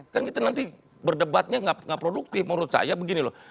kan kita nanti berdebatnya nggak produktif menurut saya begini loh